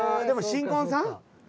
でも新婚さん？